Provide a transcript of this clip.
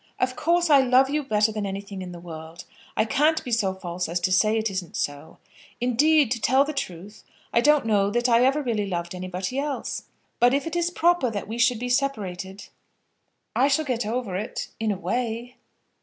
Of course I love you better than anything in the world. I can't be so false as to say it isn't so. Indeed, to tell the truth, I don't know that I really ever loved anybody else. But if it is proper that we should be separated, I shall get over it, in a way."